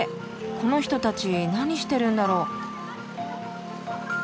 この人たち何してるんだろう？